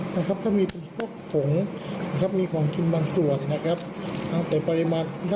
แล้วก็โดนของแรงกว่าปกติครับค่ะ